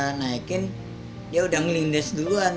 yang sempat saya naikin dia sudah melindas duluan